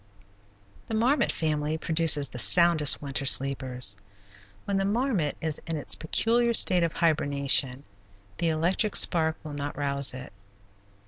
The marmot family produces the soundest winter sleepers. When the marmot is in its peculiar state of hibernation the electric spark will not rouse it.